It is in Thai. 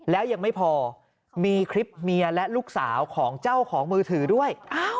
แล้วยังไม่พอมีคลิปเมียและลูกสาวของเจ้าของมือถือด้วย